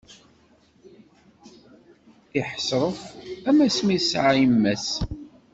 Iḥḥesref, am asmi i t-tesɛa imma-s.